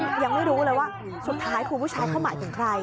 ยังไม่รู้เลยว่าสุดท้ายครูผู้ชายเขาหมายถึงใคร